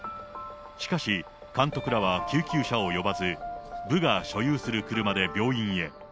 しかし、監督らは救急車を呼ばず、部が所有する車で病院へ。